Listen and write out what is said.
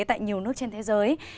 tại nhiều nước trên thế giới